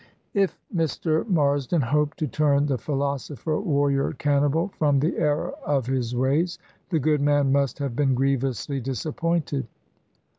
If Mr. Marsden hoped to turn the philosopher warrior cannibal from the error of his ways, the good man must have been grievously disappointed.